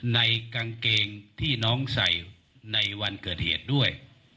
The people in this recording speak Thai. ในกางเกงที่น้องใส่ในวันเกิดเหตุด้วย